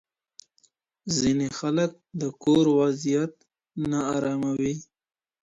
ځيني خلک د کور وضعيت نا آراموي.